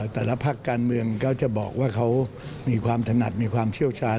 แต่ละภาคการเมืองก็จะบอกว่าเขามีความถนัดมีความเชี่ยวชาญ